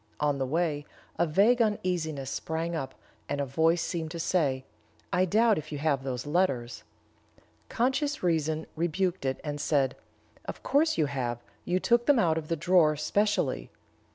On the way, a vague uneasiness sprang up, and a voice seemed to say, 'I doubt if you have those letters.' Conscious reason rebuked it, and said, 'Of course you have; you took them out of the drawer specially.'